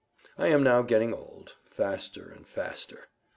I am now getting old—faster and faster.